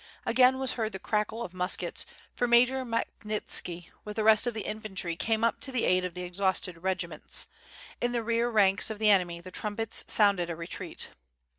Again was heard the crackle of muskets, for Major Makhnitski with the rest of the infantry came up to the aid of the exhausted regiments. In the rear ranks of the enemy the trumpets sounded a retreat.